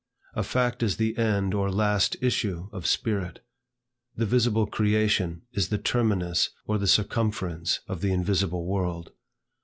A Fact is the end or last issue of spirit. The visible creation is the terminus or the circumference of the invisible world.